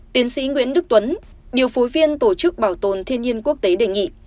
tiến sĩ nguyễn đức tuấn điều phối viên tổ chức bảo tồn thiên nhiên quốc tế đề nghị